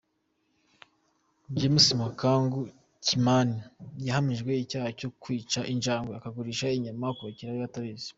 James Mukangu Kimani yahamijwe icyaha cyo kwica injangwe akagurisha inyama ku bakiriya be batabizi.